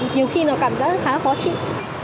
nhiều khi nó cảm giác khá khó chịu